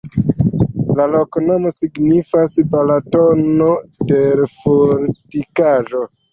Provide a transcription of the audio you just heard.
La loknomo signifas: Balatono-terfortikaĵo.